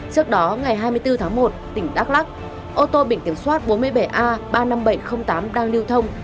trước đó ngày hai mươi bốn tháng một tỉnh đắk lắc ô tô biển kiểm soát bốn mươi bảy a ba mươi năm nghìn bảy trăm linh tám đang lưu thông